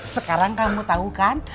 sekarang kamu tau kan